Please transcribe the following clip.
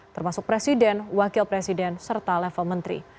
termasuk presiden wakil presiden serta level menteri